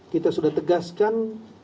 kita sudah tegaskan